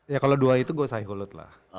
ya kalo dua itu gue pemilihan teror lah